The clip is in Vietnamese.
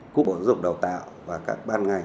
cũng bổ dụng đào tạo và các ban ngành